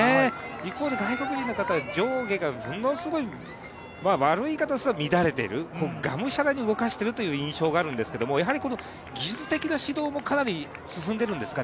一方で外国人の方は上下がものすごい悪い言い方をすれば乱れてるがむしゃらに動かしているという印象があるんですけれどもこの技術的な指導もかなり進んでいるんですか？